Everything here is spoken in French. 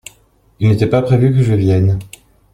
Il n’était pas prévu que je vienne.